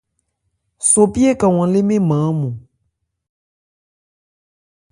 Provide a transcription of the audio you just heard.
Sopi ékan hwan lê mɛ́n nman ɔ́nmɔn.